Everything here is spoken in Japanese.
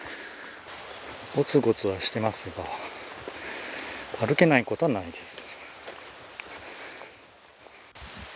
ごつごつはしてますが、歩けないことはないです。